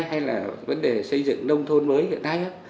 hay là vấn đề xây dựng nông thôn mới hiện nay